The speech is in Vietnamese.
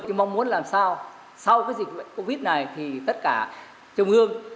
chúng tôi mong muốn làm sao sau cái dịch covid này thì tất cả trung ương